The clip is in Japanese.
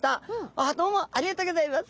ああどうもありがとうギョざいます。